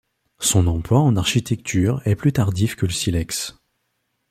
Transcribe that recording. Son emploi en architecture est plus tardif que le silex.